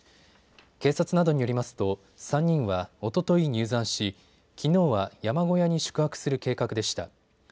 警察などによりますと３人はおととい入山し、きのうは山小屋に宿泊する計画でした。